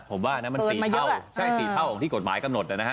ผมว่านะมัน๔เท่าใช่๔เท่าที่กฎหมายกำหนดนะฮะ